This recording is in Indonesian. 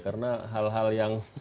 karena hal hal yang